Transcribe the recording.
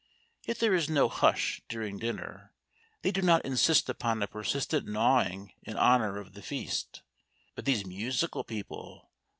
Yet there is no hush during dinner; they do not insist upon a persistent gnawing in honour of the feast. But these musical people!